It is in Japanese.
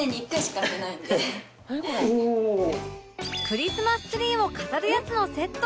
クリスマスツリーを飾るやつのセット